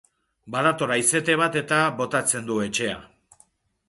Badator haizete bat eta botatzen du etxea.